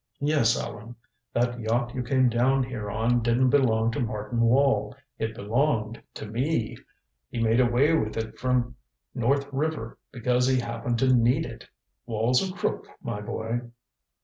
"Yes, Allan. That yacht you came down here on didn't belong to Martin Wall. It belonged to me. He made away with it from North River because he happened to need it. Wall's a crook, my boy."